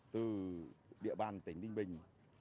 từ địa bàn tỉnh ninh bình